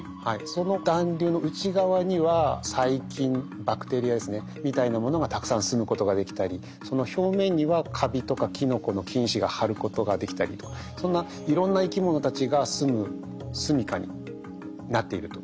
その団粒の内側には細菌バクテリアですねみたいなものがたくさんすむことができたりその表面にはカビとかキノコの菌糸が張ることができたりとそんないろんな生き物たちがすむすみかになっていると。